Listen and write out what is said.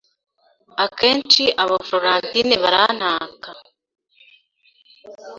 Akenshi aba Florentine barantaka